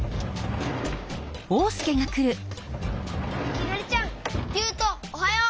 きなりちゃんゆうとおはよう！